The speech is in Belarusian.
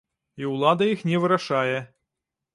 І ўлада іх не вырашае.